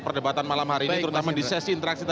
perdebatan malam hari ini terutama di sesi interaksi